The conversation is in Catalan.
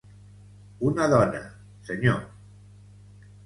Una dona, senyor.